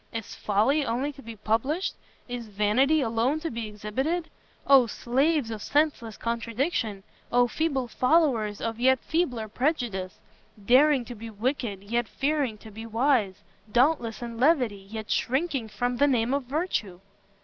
Is folly only to be published? Is vanity alone to be exhibited? Oh slaves of senseless contradiction! Oh feeble followers of yet feebler prejudice! daring to be wicked, yet fearing to be wise; dauntless in levity, yet shrinking from the name of virtue!"